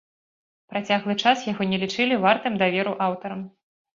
Працяглы час яго не лічылі вартым даверу аўтарам.